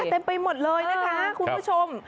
เต็มไปหมดเลยนะคะคุณผู้ชม